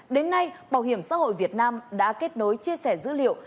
đến nay bảo hiểm xã hội việt nam đã kết nối chia sẻ dữ liệu